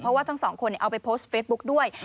เพราะว่าทั้งสองคนเอาไปโพสต์เฟซบุ๊กด้วย